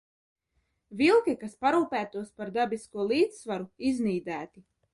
Vilki, kas parūpētos par dabisko līdzsvaru, iznīdēti.